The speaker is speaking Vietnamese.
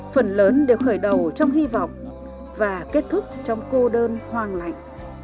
phần lớn đều khởi đầu trong hy vọng và kết thúc trong cô đơn hoàng lạnh